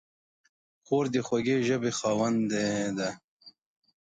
خور د خوږې ژبې خاوندې ده.